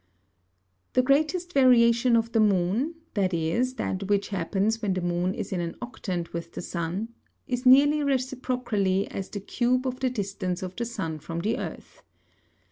The greatest Variation of the Moon (viz. that which happens when the Moon is in an Octant with the Sun) is nearly, reciprocally as the Cube of the Distance of the Sun from the Earth.